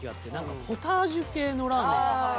ポタージュ系のラーメン。